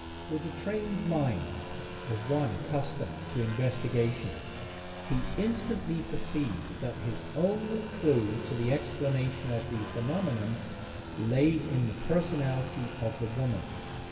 With the trained mind of one accustomed to investigation, he instantly perceived that his only clue to the explanation of the phenomenon lay in the personality of the woman.